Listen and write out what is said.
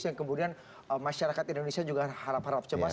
yang kemudian masyarakat indonesia juga harap harap cemas